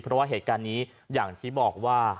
เพราะว่าเหตุการณ์นี้อย่างที่บอกว่า